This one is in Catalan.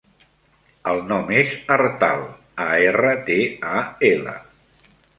El nom és Artal: a, erra, te, a, ela.